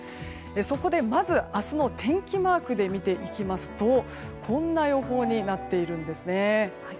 そこでまず明日の天気マークで見ていきますとこんな予報になっているんです。